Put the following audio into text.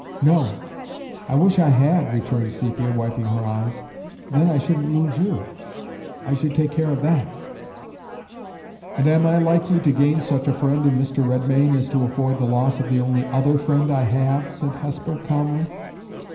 "No; I wish I had!" returned Sepia, wiping her eyes. "Then I shouldn't lose you. I should take care of that." "And am I likely to gain such a friend in Mr. Redmain as to afford the loss of the only other friend I have?" said Hesper, calmly.